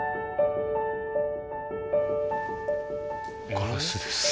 ガラスです。